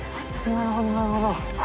なるほどなるほど。